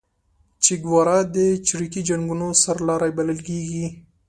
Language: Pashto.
چیګوارا د چریکي جنګونو سرلاری بللل کیږي